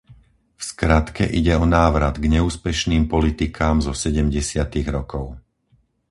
V skratke ide o návrat k neúspešným politikám zo sedemdesiatych rokov.